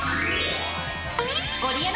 ゴリエの！